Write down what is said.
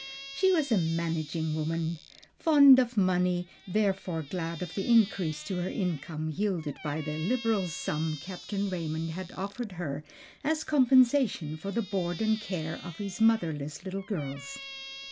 She was a managing woman, fond of money; therefore glad of the increase to her income yielded by the liberal sum Captain Raymond had offered her as compensation for the board and care of his motherless little girls.